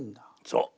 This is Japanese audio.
そう。